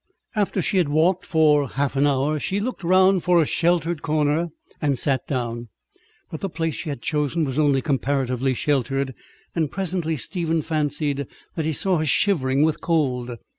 After she had walked for half an hour she looked round for a sheltered corner and sat down. But the place she had chosen was only comparatively sheltered, and presently Stephen fancied that he saw her shivering with cold.